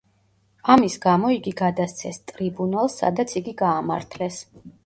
ამის გამო იგი გადასცეს ტრიბუნალს სადაც იგი გაამართლეს.